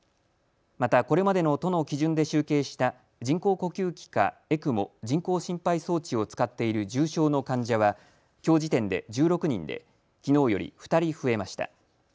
また、これまでの都の基準で集計した人工呼吸器かＥＣＭＯ・人工心肺装置を使っている重症の患者は、きょう時点で１６人できのうより２人増えました。